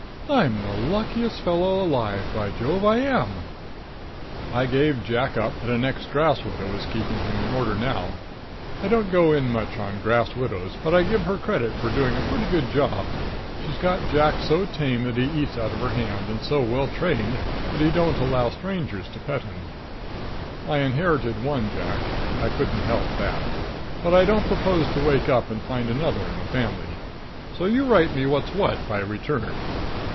"I'm the luckiest fellow alive; by Jove, I am!" I gave Jack up, and an ex grass widow is keeping him in order now. I don't go much on grass widows, but I give her credit for doing a pretty good job. She's got Jack so tame that he eats out of her hand, and so well trained that he don't allow strangers to pet him. I inherited one Jack I couldn't help that. But I don't propose to wake up and find another one in the family. So you write me what's what by return.